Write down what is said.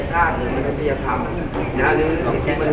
จะให้น้องบินได้ยังไง